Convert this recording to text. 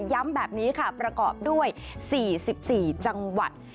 ย้ำแบบนี้ค่ะประกอบด้วย๔๔จังหวัด